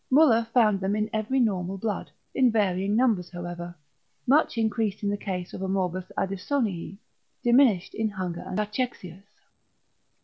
Müller found them in every normal blood, in varying numbers however; much increased in a case of Morbus Addisonii; diminished in hunger and cachexias.